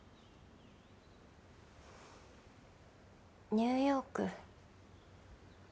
ニューヨーク。